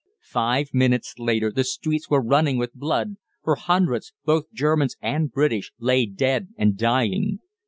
Five minutes later the streets were running with blood, for hundreds, both Germans and British, lay dead and dying.